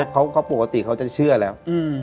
เพราะว่าปกติเขาจะเชื่อแล้ว